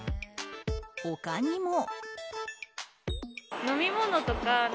他にも。